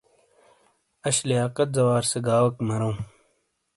اش لیاقت زوار سے گاؤویک مرووں۔